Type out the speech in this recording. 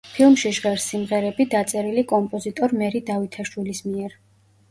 ფილმში ჟღერს სიმღერები, დაწერილი კომპოზიტორ მერი დავითაშვილის მიერ.